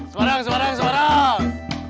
semarang semarang semarang